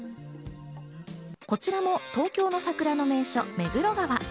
こちらも東京の桜の名所・目黒川。